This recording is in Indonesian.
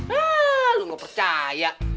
hah lo gak percaya